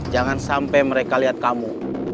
jangan sampai mereka lihat kamu